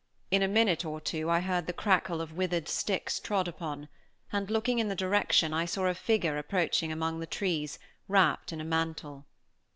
In a minute or two I heard the crackle of withered sticks trod upon, and, looking in the direction, I saw a figure approaching among the trees, wrapped in a mantle.